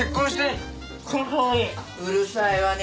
うるさいわね。